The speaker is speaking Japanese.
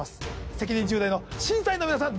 責任重大の審査員の皆さん